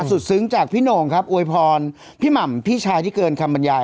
ซึ้งจากพี่โหน่งครับอวยพรพี่หม่ำพี่ชายที่เกินคำบรรยาย